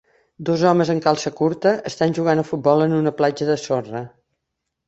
Dos homes en calça curta estan jugant a futbol en una platja de sorra